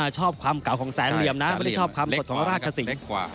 ชอบความเก่าของแสนเหลี่ยมนะไม่ได้ชอบความสดของราชสิงศ์